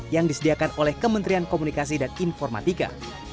yang disediakan oleh kementerian komunikasi dan informatika